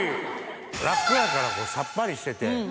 ラッキョウやからさっぱりしてて。